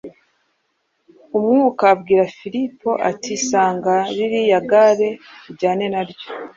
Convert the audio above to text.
Umwuka abwira Filipo ati: ‘Sanga ririya gare, ujyane na ryo”